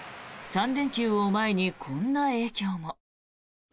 ３連休を前に、こんな影響も。